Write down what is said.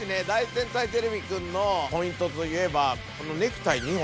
天才てれびくん」のポイントといえばこのネクタイ２本。